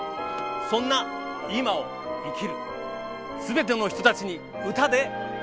そんな今を生きる全ての人たちに歌でエールを送ります。